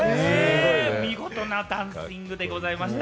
見事なダンシングでございました。